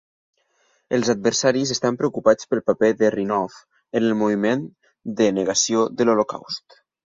Els adversaris estan preocupats pel paper de Renouf en el moviment de negació de l'Holocaust.